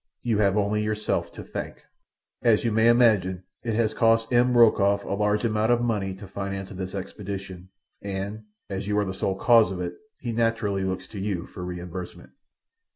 You have only yourself to thank. As you may imagine, it has cost M. Rokoff a large amount of money to finance this expedition, and, as you are the sole cause of it, he naturally looks to you for reimbursement.